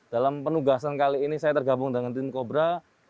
dalam penugasan kali ini saya tergabung dengan tim kobra